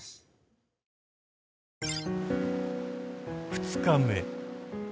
２日目。